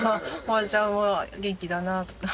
おばちゃんは元気だなとか。